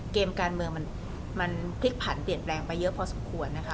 เกมการเมืองมันพลิกผันเปลี่ยนแปลงไปเยอะพอสมควรนะคะ